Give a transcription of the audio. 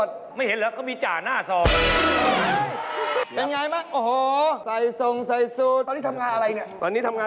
สาวอาทิตย์ทุกวันสาวอาทิตย์